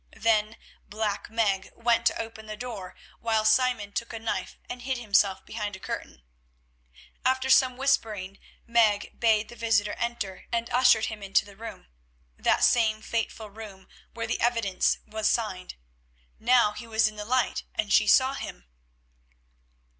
Then Black Meg went to open the door, while Simon took a knife and hid himself behind a curtain. After some whispering, Meg bade the visitor enter, and ushered him into the room, that same fateful room where the evidence was signed. Now he was in the light, and she saw him.